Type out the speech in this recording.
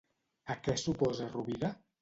A què s'oposa Rovira?